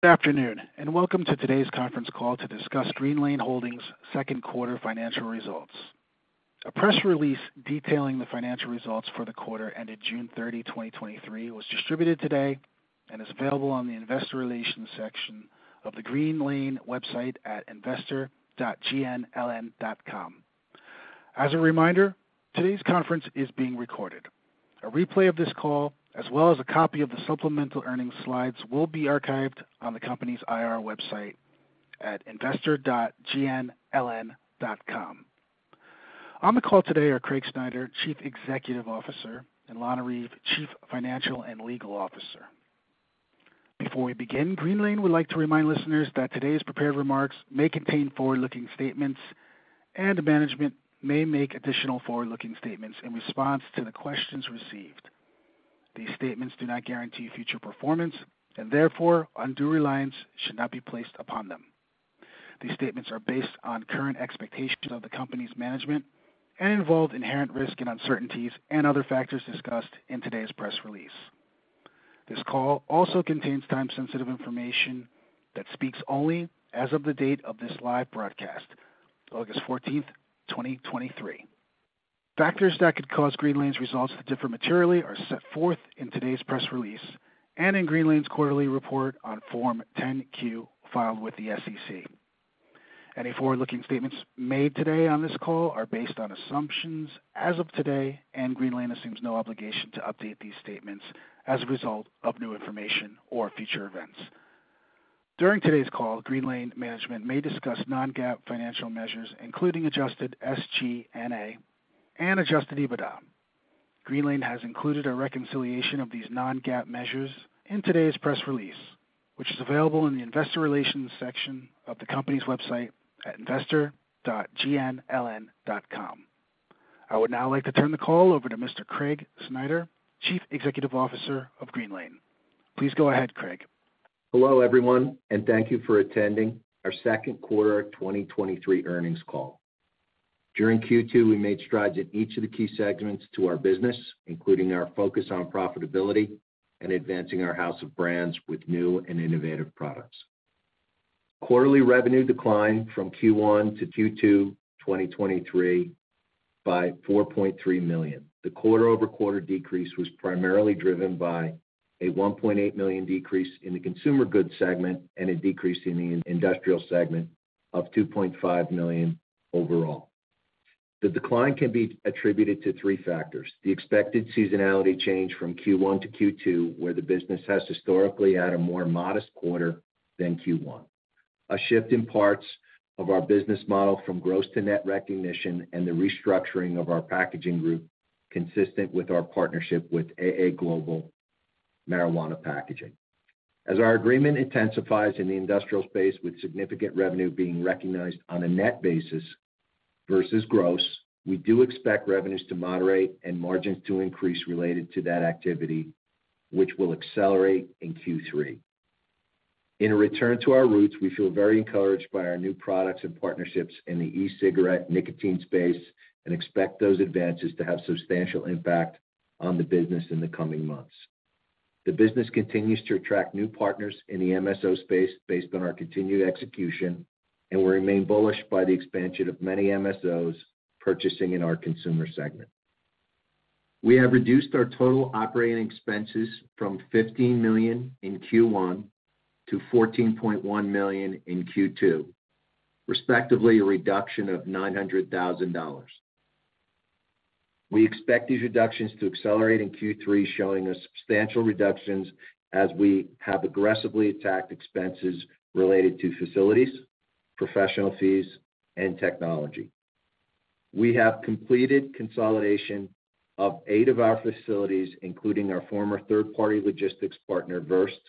Good afternoon, and welcome to today's conference call to discuss Greenlane Holdings' second quarter financial results. A press release detailing the financial results for the quarter ended June thirty, twenty twenty-three, was distributed today and is available on the investor relations section of the Greenlane website at investor.gnln.com. As a reminder, today's conference is being recorded. A replay of this call, as well as a copy of the supplemental earnings slides, will be archived on the company's IR website at investor.gnln.com. On the call today are Craig Snyder, Chief Executive Officer, and Lana Reeve, Chief Financial and Legal Officer. Before we begin, Greenlane would like to remind listeners that today's prepared remarks may contain forward-looking statements and the management may make additional forward-looking statements in response to the questions received. These statements do not guarantee future performance, and therefore, undue reliance should not be placed upon them. These statements are based on current expectations of the company's management and involve inherent risk and uncertainties and other factors discussed in today's press release. This call also contains time-sensitive information that speaks only as of the date of this live broadcast, August 14, 2023. Factors that could cause Greenlane's results to differ materially are set forth in today's press release and in Greenlane's quarterly report on Form 10-Q, filed with the SEC. Any forward-looking statements made today on this call are based on assumptions as of today, and Greenlane assumes no obligation to update these statements as a result of new information or future events. During today's call, Greenlane management may discuss non-GAAP financial measures, including adjusted SG&A and adjusted EBITDA. Greenlane has included a reconciliation of these non-GAAP measures in today's press release, which is available in the investor relations section of the company's website at investor.gnln.com. I would now like to turn the call over to Mr. Craig Snyder, Chief Executive Officer of Greenlane. Please go ahead, Craig. Hello, everyone, and thank you for attending our second quarter 2023 earnings call. During Q2, we made strides in each of the key segments to our business, including our focus on profitability and advancing our house of brands with new and innovative products. Quarterly revenue declined from Q1 to Q2 2023 by $4.3 million. The quarter-over-quarter decrease was primarily driven by a $1.8 million decrease in the consumer goods segment and a decrease in the industrial segment of $2.5 million overall. The decline can be attributed to three factors: the expected seasonality change from Q1 to Q2, where the business has historically had a more modest quarter than Q1. A shift in parts of our business model from gross to net recognition and the restructuring of our packaging group, consistent with our partnership with A&A Global Marijuana Packaging. As our agreement intensifies in the industrial space, with significant revenue being recognized on a net basis versus gross, we do expect revenues to moderate and margins to increase related to that activity, which will accelerate in Q3. In a return to our roots, we feel very encouraged by our new products and partnerships in the e-cigarette nicotine space and expect those advances to have substantial impact on the business in the coming months. The business continues to attract new partners in the MSO space based on our continued execution, and we remain bullish by the expansion of many MSOs purchasing in our consumer segment. We have reduced our total operating expenses from $15 million in Q1 to $14.1 million in Q2, respectively, a reduction of $900,000. We expect these reductions to accelerate in Q3, showing a substantial reductions as we have aggressively attacked expenses related to facilities, professional fees, and technology. We have completed consolidation of eight of our facilities, including our former third-party logistics partner, Verst.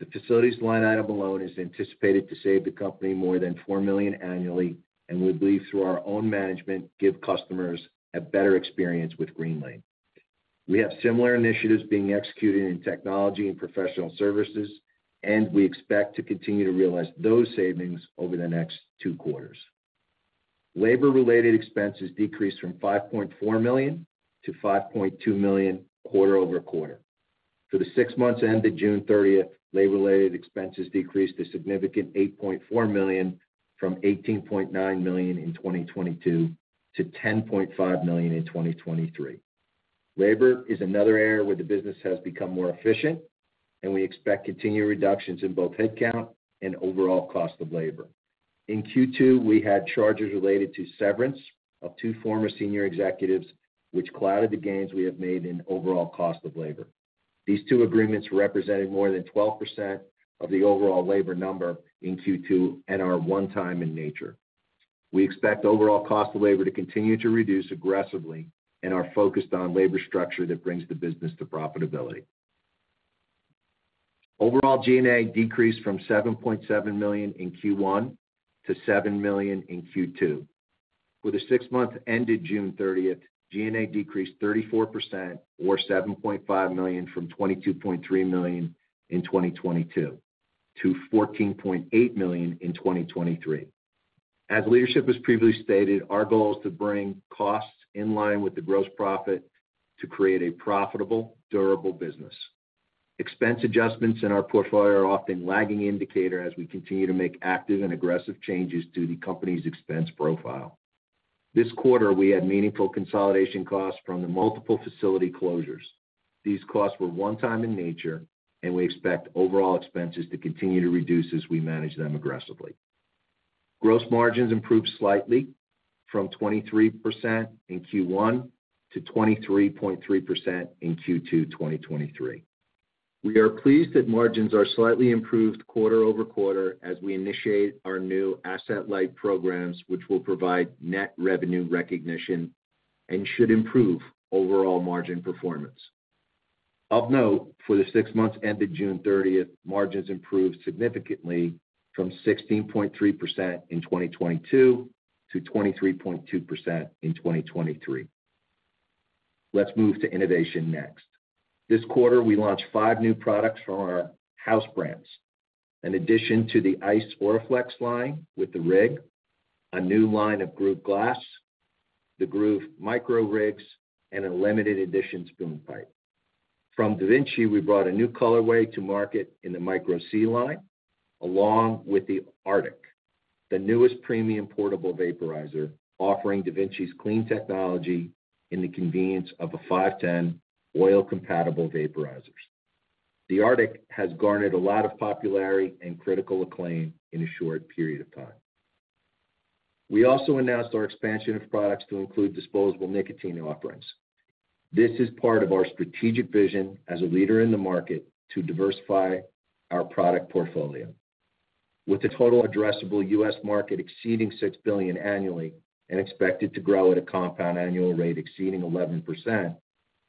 The facilities line item alone is anticipated to save the company more than $4 million annually, and we believe, through our own management, give customers a better experience with Greenlane. We have similar initiatives being executed in technology and professional services, and we expect to continue to realize those savings over the next two quarters. Labor-related expenses decreased from $5.4 million to $5.2 million quarter-over-quarter. For the six months ended June 30, labor-related expenses decreased a significant $8.4 million from $18.9 million in 2022 to $10.5 million in 2023. Labor is another area where the business has become more efficient, and we expect continued reductions in both headcount and overall cost of labor. In Q2, we had charges related to severance of 2 former senior executives, which clouded the gains we have made in overall cost of labor. These 2 agreements represented more than 12% of the overall labor number in Q2 and are one-time in nature. We expect overall cost of labor to continue to reduce aggressively and are focused on labor structure that brings the business to profitability. Overall, G&A decreased from $7.7 million in Q1 to $7 million in Q2. For the six months ended June 30, G&A decreased 34% or $7.5 million from $22.3 million in 2022 to $14.8 million in 2023. As leadership has previously stated, our goal is to bring costs in line with the gross profit to create a profitable, durable business. Expense adjustments in our portfolio are often lagging indicator as we continue to make active and aggressive changes to the company's expense profile. This quarter, we had meaningful consolidation costs from the multiple facility closures. These costs were one-time in nature, and we expect overall expenses to continue to reduce as we manage them aggressively. Gross margins improved slightly from 23% in Q1 to 23.3% in Q2, 2023. We are pleased that margins are slightly improved quarter-over-quarter as we initiate our new asset-light programs, which will provide net revenue recognition and should improve overall margin performance. Of note, for the six months ended June 30, margins improved significantly from 16.3% in 2022 to 23.2% in 2023. Let's move to innovation next. This quarter, we launched five new products from our house brands. In addition to the Eyce Oraflex line with the rig, a new line of grooved glass, the Groove Micro Rigs, and a limited edition spoon pipe. From DaVinci, we brought a new colorway to market in the MIQRO-C line, along with the ARTIQ, the newest premium portable vaporizer, offering DaVinci's clean technology in the convenience of a 510 oil-compatible vaporizers. The ARTIQ has garnered a lot of popularity and critical acclaim in a short period of time. We also announced our expansion of products to include disposable nicotine offerings. This is part of our strategic vision as a leader in the market, to diversify our product portfolio. With the total addressable US market exceeding $6 billion annually and expected to grow at a compound annual rate exceeding 11%,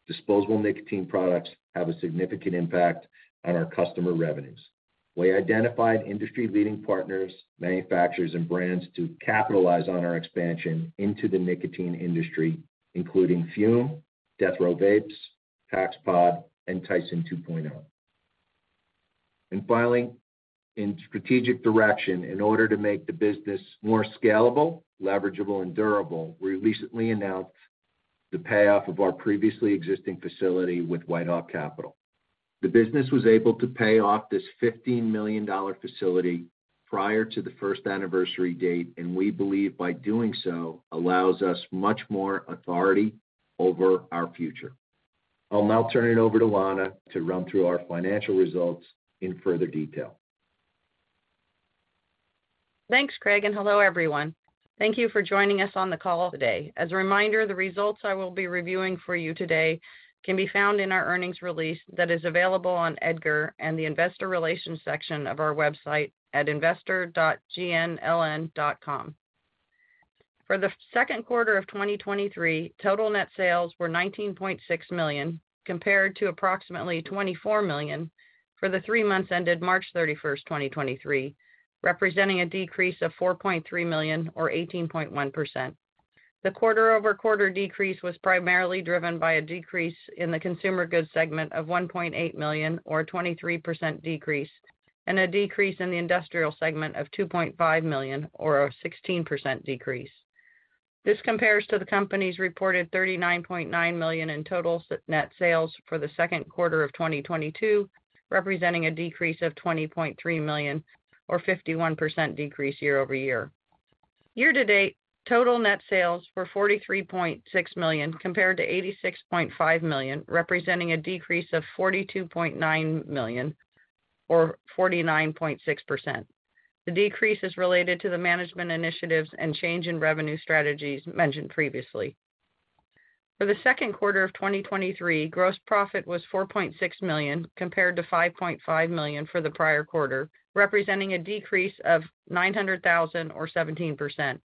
disposable nicotine products have a significant impact on our customer revenues. We identified industry-leading partners, manufacturers, and brands to capitalize on our expansion into the nicotine industry, including Fume, Death Row Vapes, Packspod, and Tyson 2.0. Finally, in strategic direction, in order to make the business more scalable, leverageable and durable, we recently announced the payoff of our previously existing facility with WhiteHawk Capital. The business was able to pay off this $15 million facility prior to the first anniversary date. We believe by doing so, allows us much more authority over our future. I'll now turn it over to Lana to run through our financial results in further detail. Thanks, Craig, and hello, everyone. Thank you for joining us on the call today. As a reminder, the results I will be reviewing for you today can be found in our earnings release that is available on EDGAR and the investor relations section of our website at investor.gnln.com. For the second quarter of 2023, total net sales were $19.6 million, compared to approximately $24 million for the three months ended March thirty-first, twenty twenty-three, representing a decrease of $4.3 million or 18.1%. The quarter-over-quarter decrease was primarily driven by a decrease in the consumer goods segment of $1.8 million, or a 23% decrease, and a decrease in the industrial segment of $2.5 million, or a 16% decrease. This compares to the company's reported $39.9 million in total net sales for the second quarter of 2022, representing a decrease of $20.3 million, or 51% decrease year-over-year. Year to date, total net sales were $43.6 million, compared to $86.5 million, representing a decrease of $42.9 million or 49.6%. The decrease is related to the management initiatives and change in revenue strategies mentioned previously. For the second quarter of 2023, gross profit was $4.6 million, compared to $5.5 million for the prior quarter, representing a decrease of $900,000 or 17%.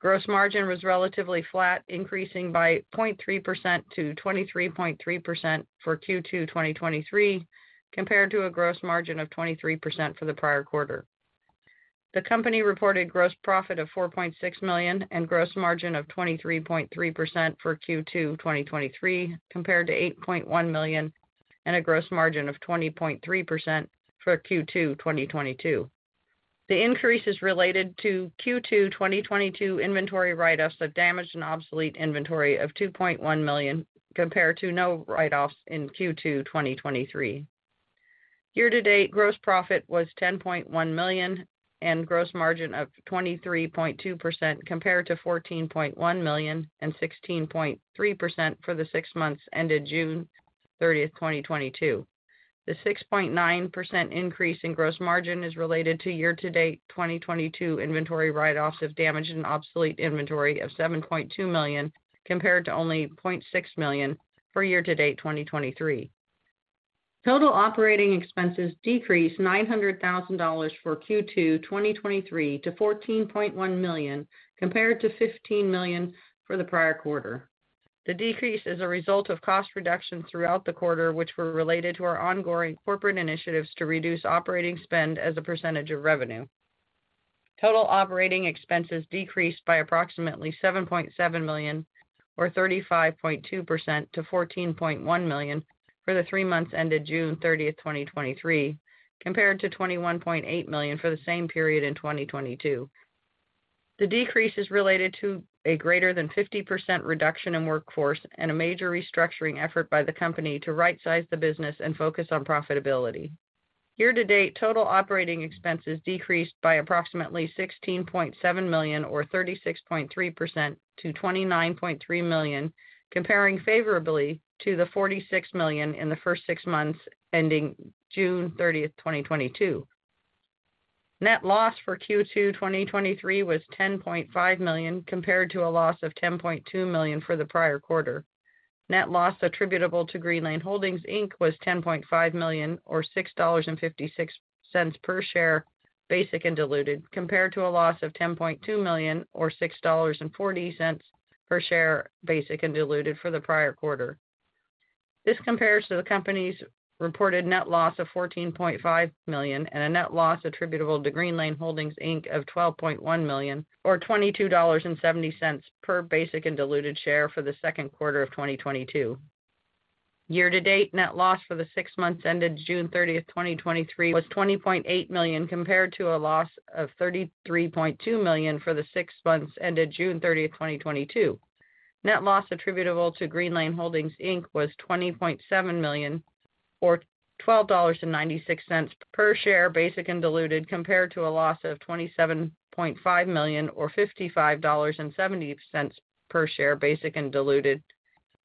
Gross margin was relatively flat, increasing by 0.3% to 23.3% for Q2 2023, compared to a gross margin of 23% for the prior quarter. The company reported gross profit of $4.6 million and gross margin of 23.3% for Q2 2023, compared to $8.1 million and a gross margin of 20.3% for Q2 2022. The increase is related to Q2 2022 inventory write-offs of damaged and obsolete inventory of $2.1 million, compared to no write-offs in Q2 2023. Year to date, gross profit was $10.1 million and gross margin of 23.2%, compared to $14.1 million and 16.3% for the six months ended June 30, 2022. The 6.9% increase in gross margin is related to year-to-date 2022 inventory write-offs of damaged and obsolete inventory of $7.2 million, compared to only $0.6 million for year to date 2023. Total operating expenses decreased $900,000 for Q2 2023 to $14.1 million, compared to $15 million for the prior quarter. The decrease is a result of cost reductions throughout the quarter, which were related to our ongoing corporate initiatives to reduce operating spend as a percentage of revenue. Total operating expenses decreased by approximately $7.7 million, or 35.2% to $14.1 million for the three months ended June 30, 2023, compared to $21.8 million for the same period in 2022. The decrease is related to a greater than 50% reduction in workforce and a major restructuring effort by the company to right-size the business and focus on profitability. Year to date, total operating expenses decreased by approximately $16.7 million, or 36.3% to $29.3 million, comparing favorably to the $46 million in the first 6 months, ending June 30, 2022. Net loss for Q2 2023 was $10.5 million, compared to a loss of $10.2 million for the prior quarter. Net loss attributable to Greenlane Holdings, Inc., was $10.5 million, or $6.56 per share, basic and diluted, compared to a loss of $10.2 million, or $6.40 per share, basic and diluted for the prior quarter. This compares to the company's reported net loss of $14.5 million and a net loss attributable to Greenlane Holdings, Inc., of $12.1 million, or $22.70 per basic and diluted share for the second quarter of 2022. Year to date, net loss for the six months ended June 30, 2023, was $20.8 million, compared to a loss of $33.2 million for the six months ended June 30, 2022. Net loss attributable to Greenlane Holdings, Inc., was $20.7 million, or $12.96 per share, basic and diluted, compared to a loss of $27.5 million, or $55.70 per share, basic and diluted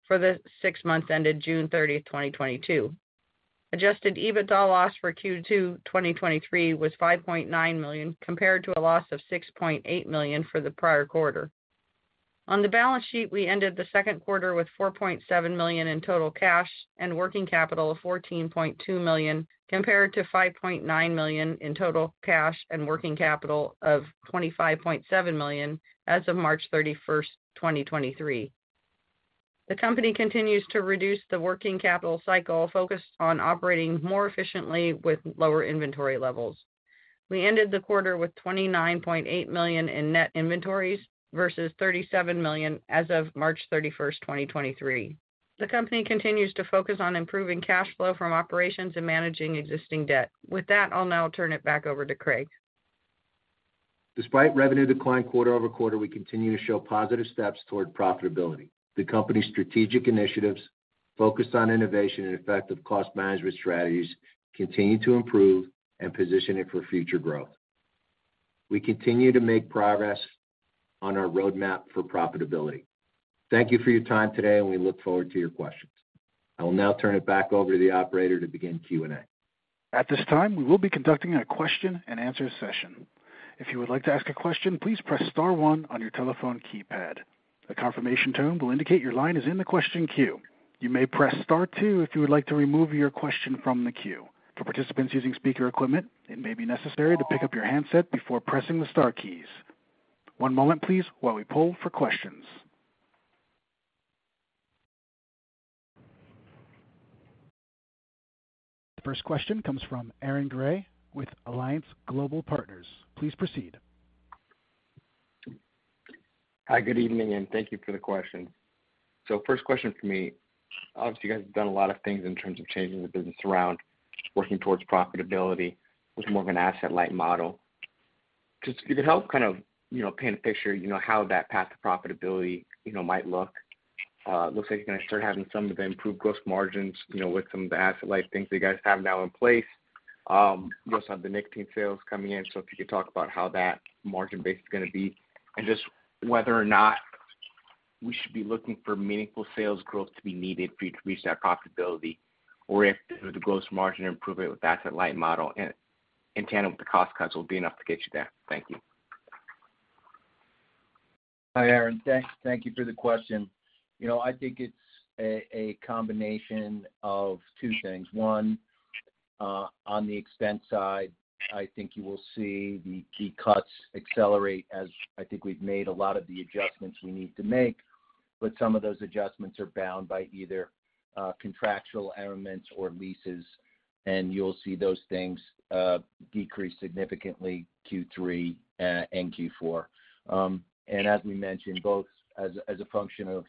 for the six months ended June 30, 2022. Adjusted EBITDA loss for Q2 2023 was $5.9 million, compared to a loss of $6.8 million for the prior quarter. On the balance sheet, we ended the second quarter with $4.7 million in total cash and working capital of $14.2 million, compared to $5.9 million in total cash and working capital of $25.7 million as of March 31, 2023. The company continues to reduce the working capital cycle, focused on operating more efficiently with lower inventory levels. We ended the quarter with $29.8 million in net inventories versus $37 million as of March 31, 2023. The company continues to focus on improving cash flow from operations and managing existing debt. With that, I'll now turn it back over to Craig. Despite revenue decline quarter-over-quarter, we continue to show positive steps toward profitability. The company's strategic initiatives, focused on innovation and effective cost management strategies, continue to improve and position it for future growth. We continue to make progress on our roadmap for profitability. Thank you for your time today, and we look forward to your questions. I will now turn it back over to the operator to begin Q&A. At this time, we will be conducting a question-and-answer session. If you would like to ask a question, please press star 1 on your telephone keypad. A confirmation tone will indicate your line is in the question queue. You may press star 2 if you would like to remove your question from the queue. For participants using speaker equipment, it may be necessary to pick up your handset before pressing the star keys. One moment, please, while we poll for questions. The first question comes from Aaron Grey with Alliance Global Partners. Please proceed. Hi, good evening, and thank you for the question. First question for me, obviously, you guys have done a lot of things in terms of changing the business around, working towards profitability with more of an asset-light model. Just if you could help kind of, you know, paint a picture, you know, how that path to profitability, you know, might look. It looks like you're gonna start having some of the improved gross margins, you know, with some of the asset-light things that you guys have now in place. You also have the nicotine sales coming in, so if you could talk about how that margin base is gonna be, and just whether or not we should be looking for meaningful sales growth to be needed for you to reach that profitability, or if the gross margin improvement with asset-light model in, in tandem with the cost cuts, will be enough to get you there. Thank you. Hi, Aaron. Thank you for the question. You know, I think it's a, a combination of two things. One, on the expense side, I think you will see the key cuts accelerate, as I think we've made a lot of the adjustments we need to make. Some of those adjustments are bound by either, contractual elements or leases, and you'll see those things, decrease significantly Q3 and Q4. As we mentioned, both as, as a function of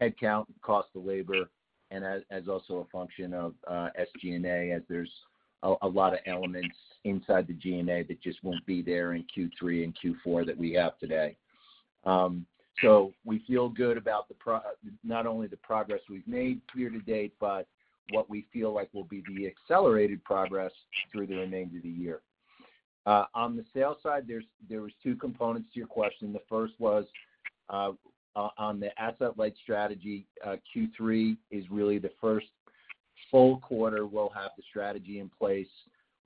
headcount, cost of labor, and as, as also a function of SG&A, as there's a, a lot of elements inside the G&A that just won't be there in Q3 and Q4 that we have today. We feel good about the pro... not only the progress we've made year to date, but what we feel like will be the accelerated progress through the remainder of the year. On the sales side, there's- there was two components to your question. The first was, on the asset-light strategy. Q3 is really the first full quarter we'll have the strategy in place,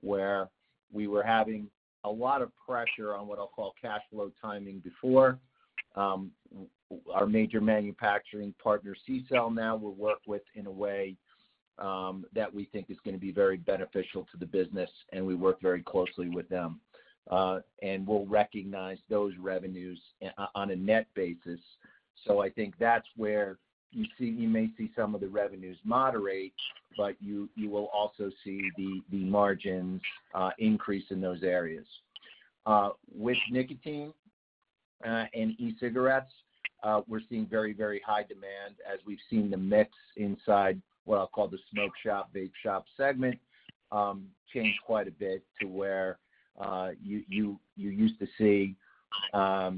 where we were having a lot of pressure on what I'll call cash flow timing before. Our major manufacturing partner, CCELL, now will work with in a way, that we think is gonna be very beneficial to the business, and we work very closely with them. And we'll recognize those revenues o- on a net basis. I think that's where you see, you may see some of the revenues moderate, but you, you will also see the, the margins, increase in those areas. With nicotine?... in e-cigarettes, we're seeing very, very high demand as we've seen the mix inside what I'll call the smoke shop, vape shop segment, change quite a bit to where, you, you, you used to see a,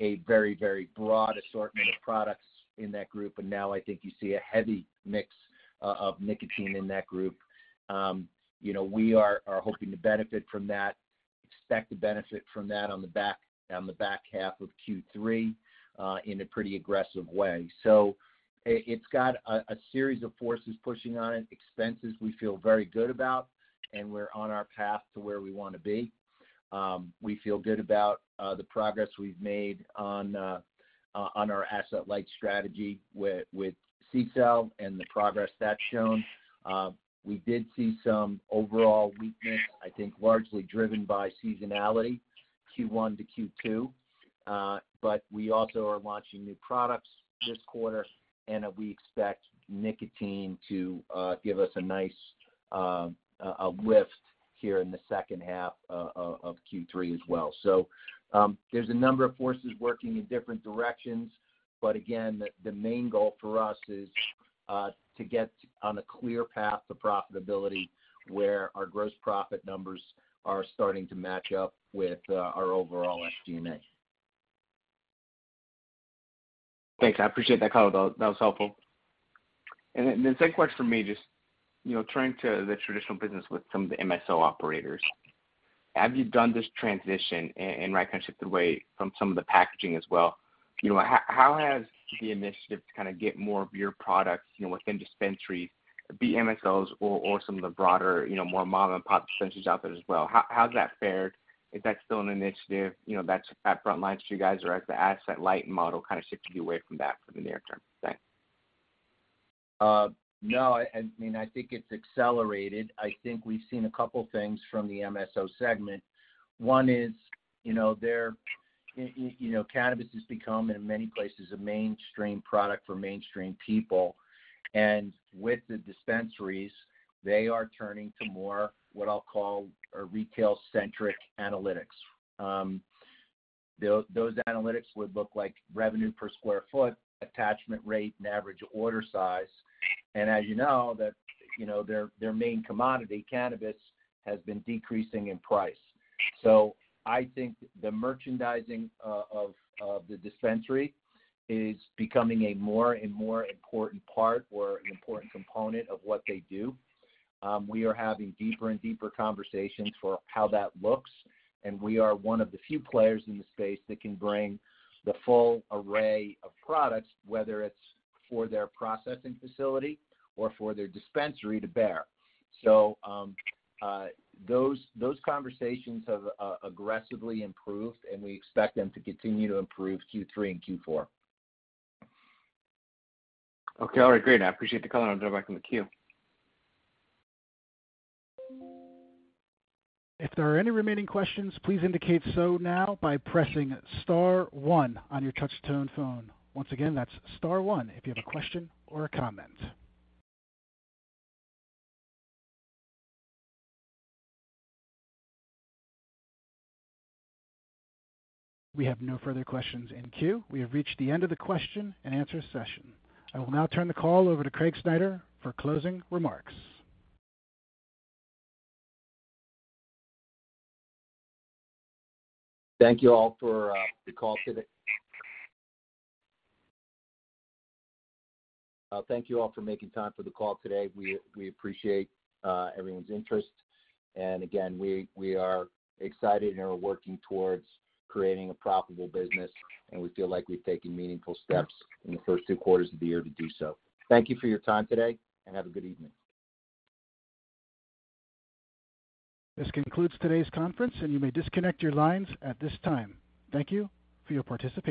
a very, very broad assortment of products in that group, but now I think you see a heavy mix of, of nicotine in that group. You know, we are, are hoping to benefit from that, expect to benefit from that on the back, on the back half of Q3, in a pretty aggressive way. It's got a, a series of forces pushing on it. Expenses, we feel very good about, and we're on our path to where we wanna be. We feel good about the progress we've made on our asset-light strategy with CCELL and the progress that's shown. We did see some overall weakness, I think, largely driven by seasonality, Q1 to Q2. We also are launching new products this quarter, we expect nicotine to give us a nice lift here in the second half of Q3 as well. There's a number of forces working in different directions. Again, the main goal for us is to get on a clear path to profitability, where our gross profit numbers are starting to match up with our overall SG&A. Thanks. I appreciate that, Kyle. That, that was helpful. Then second question for me, just, you know, turning to the traditional business with some of the MSO operators. As you've done this transition and reconcept the way from some of the packaging as well, you know, how, how has the initiative to kind of get more of your products, you know, within dispensaries, be it MSOs or, or some of the broader, you know, more mom-and-pop dispensaries out there as well? How, how has that fared? Is that still an initiative, you know, that's at front lines for you guys, or as the asset-light model kind of shifted you away from that for the near term? Thanks. No, I mean, I think it's accelerated. I think we've seen a couple things from the MSO segment. One is, you know, there, you know, cannabis has become, in many places, a mainstream product for mainstream people. With the dispensaries, they are turning to more, what I'll call, a retail-centric analytics. Those analytics would look like revenue per square foot, attachment rate, and average order size. As you know, that, you know, their, their main commodity, cannabis, has been decreasing in price. I think the merchandising, of the dispensary is becoming a more and more important part or an important component of what they do. We are having deeper and deeper conversations for how that looks, and we are one of the few players in the space that can bring the full array of products, whether it's for their processing facility or for their dispensary to bear. Those, those conversations have aggressively improved, and we expect them to continue to improve Q3 and Q4. Okay. All right, great. I appreciate the color, and I'll drop back in the queue. If there are any remaining questions, please indicate so now by pressing star one on your touch tone phone. Once again, that's star one if you have a question or a comment. We have no further questions in queue. We have reached the end of the question-and-answer session. I will now turn the call over to Craig Snyder for closing remarks. Thank you all for the call today. Thank you all for making time for the call today. We, we appreciate everyone's interest. Again, we, we are excited and are working towards creating a profitable business, and we feel like we've taken meaningful steps in the first 2 quarters of the year to do so. Thank you for your time today, and have a good evening. This concludes today's conference, and you may disconnect your lines at this time. Thank you for your participation.